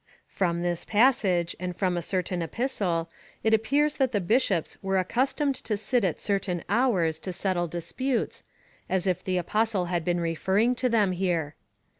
From this passage, and from a certain epistle, it appears that the bishops were accustomed to sit at certain hours to settle disputes, as if the Apostle had been referring to them here.